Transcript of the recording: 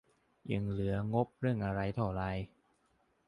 ยังเหลืองบเรื่องอะไรเท่าไหร่